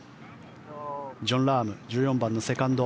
ジョン・ラーム１４番のセカンド。